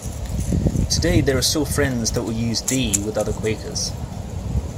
Today there are still Friends that will use "thee" with other Quakers.